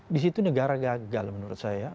di situ negara gagal menurut saya